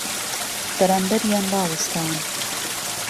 بهرامبهریان ڕاوهستان